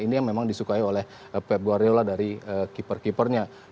ini yang memang disukai oleh pep guaryola dari keeper keepernya